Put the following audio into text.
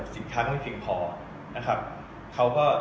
สินค้าก็ไม่เป็นเปลี่ยงพอ